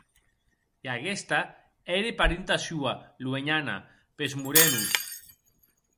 E aguesta ère parenta sua, luenhana, pes Morenos!